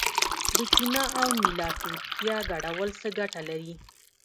د چونه او نیلا توتیا ګډول څه ګټه لري؟